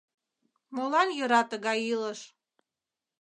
— Молан йӧра тыгай илыш?